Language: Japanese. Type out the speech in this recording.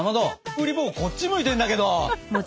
うり坊こっち向いてるんだけど。